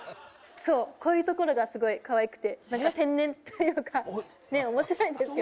そうこういうところがすごいかわいくて何か天然というかねえ面白いですよ